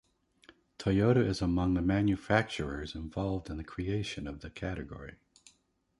Toyota is among the manufacturers involved in the creation of the category.